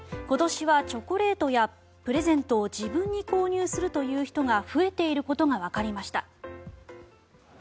今年はチョコレートやプレゼントを自分に購入するという人が増えていることがわかりました。